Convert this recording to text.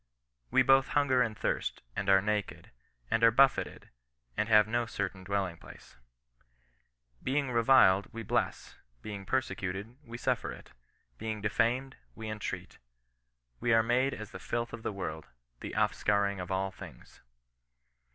" We both hunger and thirst, and are naked, and are buffeted, and have no certain dwelling place." " Being reviled, we bless ; being persecuted, we suffer it ; being defamed, we entreat: we are made as the filth of the world, the offscouring of all things."